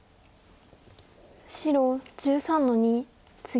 白１３の二ツギ。